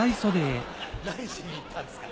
何しに行ったんですか？